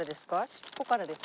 尻尾からですか？